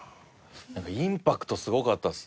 インパクトすごかったです。